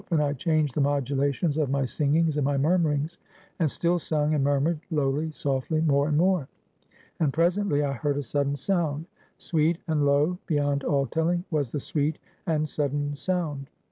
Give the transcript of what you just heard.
And I changed the modulations of my singings and my murmurings; and still sung, and murmured, lowly, softly, more and more; and presently I heard a sudden sound: sweet and low beyond all telling was the sweet and sudden sound.